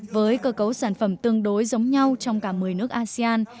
với cơ cấu sản phẩm tương đối giống nhau trong cả một mươi nước asean